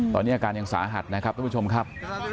ตอนนี้อาการยังสาหัสนะครับทุกผู้ชมครับ